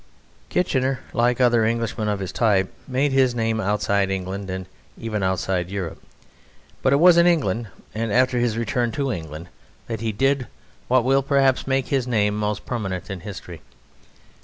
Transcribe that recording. Kitchener, like other Englishmen of his type, made his name outside England and even outside Europe. But it was in England, and after his return to England, that he did what will perhaps make his name most permanent in history.